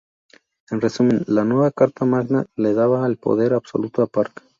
En resumen, la nueva carta magna le daba el poder absoluto a Park.